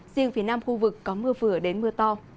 riêng phía nam khu vực có mưa vừa đến mưa to